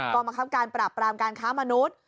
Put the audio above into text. ก็มาทำการปรับปรามการค้ามนุษย์